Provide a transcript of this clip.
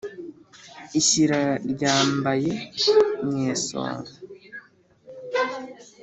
ishyira ryambaye nyesonga,